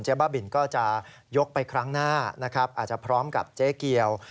บ้าบินก็จะยกไปครั้งหน้านะครับอาจจะพร้อมกับเจ๊เกียว